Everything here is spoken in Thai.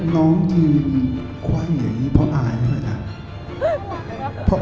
น้องจีนคว่าอย่างนี้เพราะอายนะครับ